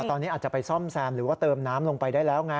ตอนนี้อาจจะไปซ่อมแซมหรือว่าเติมน้ำลงไปได้แล้วไง